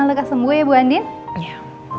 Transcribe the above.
lekas sembuh ya bu andien iya